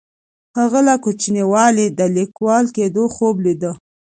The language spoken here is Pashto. هغه له کوچنیوالي د لیکوال کیدو خوب لیده.